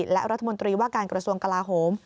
และรัฐมนตรีว่าการกระทรวงกลาโหม